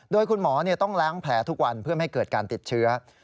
โดยคุณหมอต้องล้างแผลทุกวันเพื่อไม่เกิดการติดเชื้อ